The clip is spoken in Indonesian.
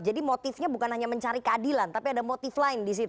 jadi motifnya bukan hanya mencari keadilan tapi ada motif lain di situ